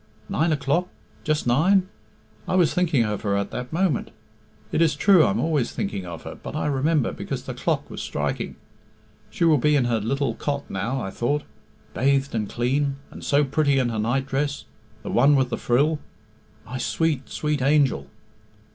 Nine o'clock? Just nine? I was thinking of her at that moment. It is true I am always thinking of her, but I remember, because the clock was striking. 'She will be in her little cot now,' I thought, 'bathed and clean, and so pretty in her nightdress, the one with the frill!' My sweet, sweet angel!"